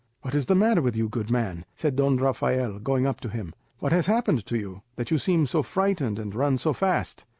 "What is the matter with you, good man?" said Don Rafael, going up to him. "What has happened to you, that you seem so frightened and run so fast?"